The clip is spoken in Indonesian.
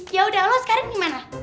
yaudah lo sekarang gimana